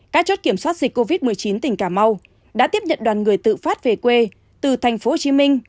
các chốt kiểm soát dịch covid một mươi chín tỉnh cà mau đã tiếp nhận đoàn người tự phát về quê từ tp hcm đồng nai bình dương